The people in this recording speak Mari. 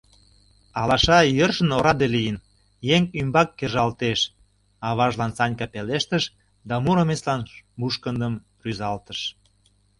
— Алаша йӧршын ораде лийын... еҥ ӱмбак кержалтеш. — аважлан Санька пелештыш да Муромецлан мушкындым рӱзалтыш.